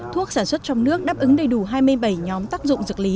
thuốc sản xuất trong nước đáp ứng đầy đủ hai mươi bảy nhóm tác dụng dược lý